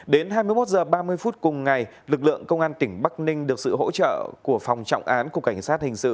đến hai mươi một h ba mươi phút cùng ngày lực lượng công an tỉnh bắc ninh được sự hỗ trợ của phòng trọng án của cảnh sát hình sự